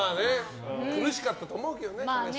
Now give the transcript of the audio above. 苦しかったと思うけど彼氏もね。